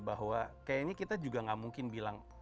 bahwa kayaknya kita juga gak mungkin bilang